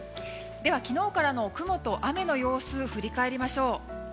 では、昨日からの雲と雨の様子を振り返りましょう。